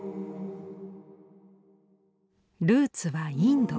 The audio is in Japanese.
ルーツはインド。